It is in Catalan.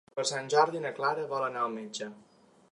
Per Sant Jordi na Clara vol anar al metge.